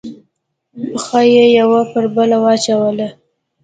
پښه یې یوه پر بله واچوله.